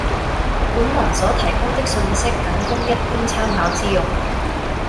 本文所提供的信息僅供一般參考之用